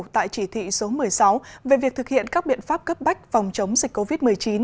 tại chỉ thị số một mươi sáu về việc thực hiện các biện pháp cấp bách phòng chống dịch covid một mươi chín